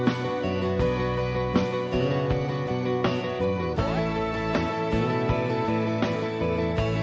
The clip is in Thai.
ไม่มีรักคนไหนรักมากกว่า